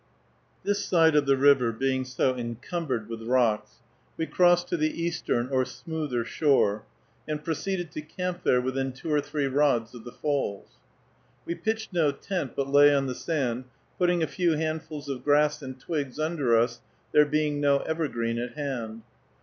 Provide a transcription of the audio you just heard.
This side of the river being so encumbered with rocks, we crossed to the eastern or smoother shore, and proceeded to camp there, within two or three rods of the falls. We pitched no tent, but lay on the sand, putting a few handfuls of grass and twigs under us, there being no evergreen at hand.